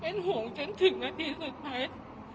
มันห่วงฉันถึงนาทีสุดท้าย